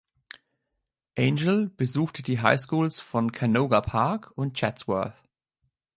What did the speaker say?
Angel besuchte die Highschools von Canoga Park und Chatsworth.